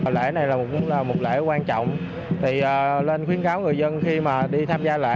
lễ này là một lễ quan trọng thì lên khuyến kháo người dân khi mà đi tham gia lễ